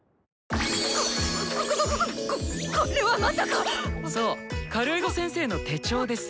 ここここここれはまさか⁉そうカルエゴ先生の手帳です。